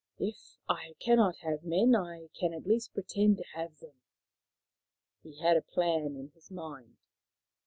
" If I cannot have men I can at least pretend to have them." He had a plan in his mind.